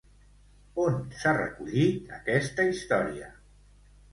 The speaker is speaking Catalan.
On s'ha recollit aquesta història?